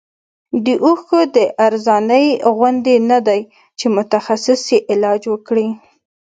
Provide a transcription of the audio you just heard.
د اوښکو د ارزانۍ غوندې نه دی چې متخصص یې علاج وکړي.